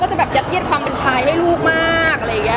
ก็จะประมาณนี้แหละค่ะ